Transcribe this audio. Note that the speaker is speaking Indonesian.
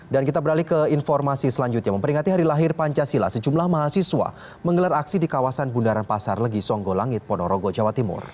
dan kita beralih ke informasi selanjutnya memperingati hari lahir pancasila sejumlah mahasiswa menggelar aksi di kawasan bundaran pasar legi songgo langit ponorogo jawa timur